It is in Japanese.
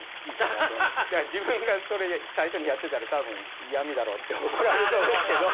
自分がそれ最初にやってたら多分「イヤミだろ！」って怒られそうですけど。